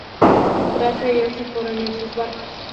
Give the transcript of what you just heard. Tras ello se fueron en sus barcos.